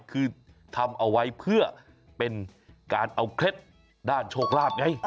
คือทำเอาไว้เพื่อเป็นการเอาเคล็ดด้านโชคลาภไง